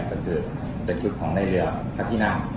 เป็นชุดของในเรือพักที่นั่ง